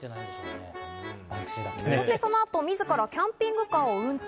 そのあと自らキャンピングカーを運転。